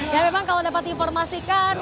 dan memang kalau dapat diinformasikan